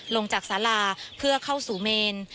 ลงจากสาราเพื่อเข้าสู่เมน